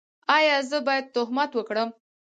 ایا زه باید تهمت وکړم؟